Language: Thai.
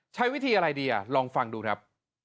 ใช้วิธีอะไรดีลองฟังดูครับ